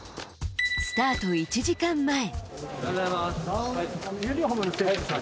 スタート１時間前。